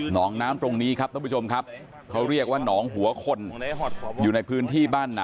หนองน้ำตรงนี้ครับท่านผู้ชมครับเขาเรียกว่าหนองหัวคน